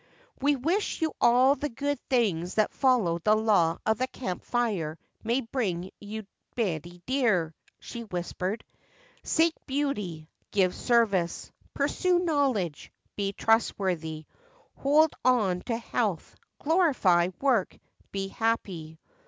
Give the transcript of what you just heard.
"We wish you all the good things that following the law of the Camp Fire may bring you, Betty dear," she whispered. "Seek beauty Give service Pursue knowledge Be trustworthy Hold on to health Glorify work Be happy."